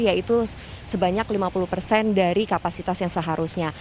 yaitu sebanyak lima puluh persen dari kapasitas yang seharusnya